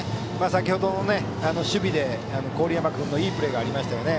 先程の守備で郡山君のいいプレーがありましたよね。